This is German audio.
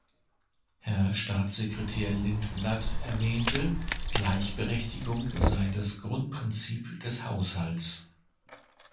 Herr Staatssekretär Lindblad erwähnte, Gleichberechtigung sei das Grundprinzip des Haushalts.